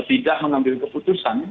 tidak menambil keputusan